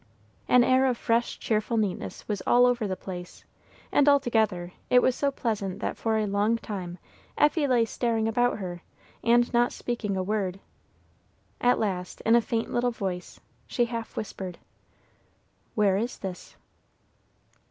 An air of fresh, cheerful neatness was over all the place, and altogether it was so pleasant that for a long time Effie lay staring about her, and speaking not a word. At last, in a faint little voice, she half whispered, "Where is this?"